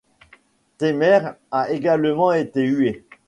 Temer a également été hué.